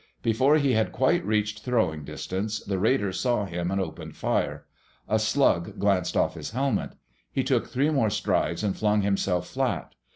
Before he had quite reached throwing distance, the raiders saw him and opened fire. A slug glanced off his helmet. He took three more strides and flung himself flat.